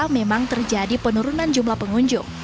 memang terjadi penurunan jumlah pengunjung